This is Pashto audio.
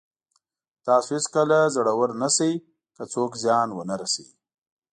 تاسو هېڅکله زړور نه شئ که څوک زیان ونه رسوي.